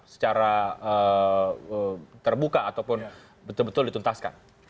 secara terbuka ataupun betul betul dituntaskan